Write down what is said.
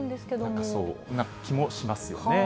なんかそうな気もしますよね。